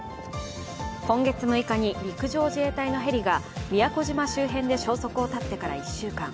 今月６日に陸上自衛隊のヘリが宮古島周辺で消息を絶ってから１週間。